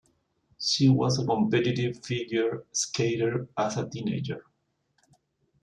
She was a competitive figure skater as a teenager.